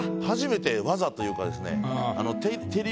初めて技というかですね。